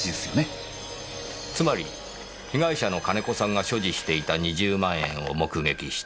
つまり被害者の金子さんが所持していた２０万円を目撃した。